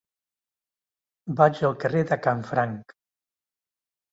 Vaig al carrer de Canfranc.